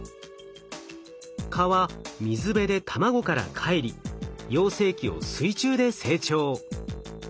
蚊は水辺で卵からかえり幼生期を水中で成長。